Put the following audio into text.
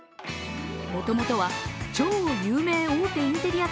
もともとは超有名大手インテリア